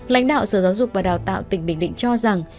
lãnh đạo sở giáo dục và đào tạo tỉnh bình định cho rằng